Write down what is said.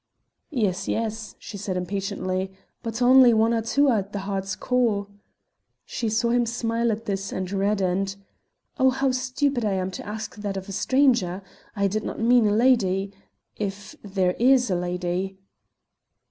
"Yes, yes," she said impatiently, "but only one or two are at the heart's core." She saw him smile at this, and reddened. "Oh, how stupid I am to ask that of a stranger! I did not mean a lady if there is a lady."